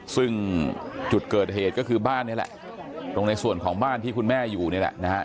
ซึ่งจุดเกิดเหตุก็คือบ้านนี่แหละตรงในส่วนของบ้านที่คุณแม่อยู่นี่แหละนะฮะ